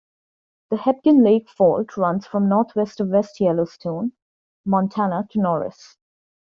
The Hebgen Lake fault runs from northwest of West Yellowstone, Montana, to Norris.